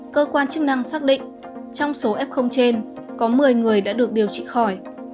cơ quan chức năng xác định trong số f trên có một mươi người đã được điều trị khỏi